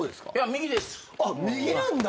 右です。